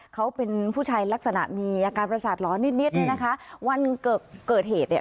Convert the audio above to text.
เขาเป็นผู้ชายลักษณะมีอาการประสาทร้อนนิดนิดเนี่ยนะคะวันเกิดเกิดเหตุเนี่ย